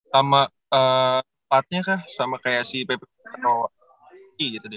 sama saatnya kah sama kayak ppop itu gitu deh